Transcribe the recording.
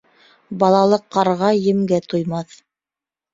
Балалы ҡарға емгә туймаҫ.